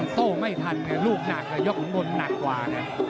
โต้ไม่ทันลูกหนักยอดของมนตร์หนักกว่า